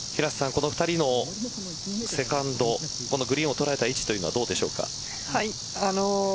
この２人のセカンドグリーンを捉えた位置はどうでしょうか。